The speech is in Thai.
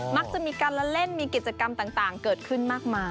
มักจะมีการละเล่นมีกิจกรรมต่างเกิดขึ้นมากมาย